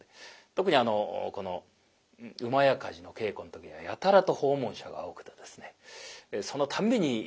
特にあのこの「火事」の稽古の時にはやたらと訪問者が多くてですねそのたんびに稽古が止まるというような。